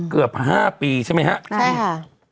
เกือบ๕ปีใช่ไหมครับใช่ค่ะ